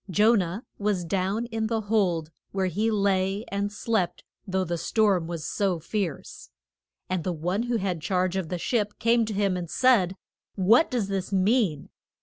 Jo nah was down in the hold, where he lay and slept, though the storm was so fierce. And the one who had charge of the ship came to him and said, What does this mean?